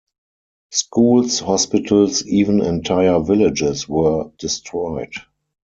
Schools, hospitals, even entire villages were destroyed.